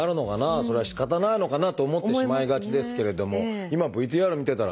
それはしかたないのかなと思ってしまいがちですけれども今ＶＴＲ見てたらね